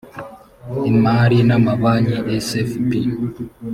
imari n amabanki sfb